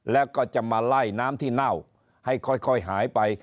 แล้วก็จะมาไล่น้ำที่เน่าให้ค่อยหายไป